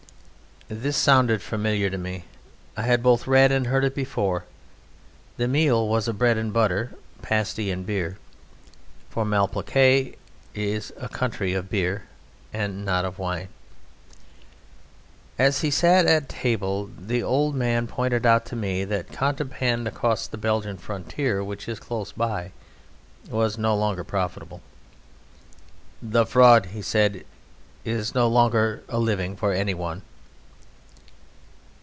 This sounded familiar to me; I had both read and heard it before. The meal was of bread and butter, pasty and beer, for Malplaquet is a country of beer and not of wine. As he sat at table the old man pointed out to me that contraband across the Belgian frontier, which is close by, was no longer profitable. "The Fraud," he said, "is no longer a living for anyone."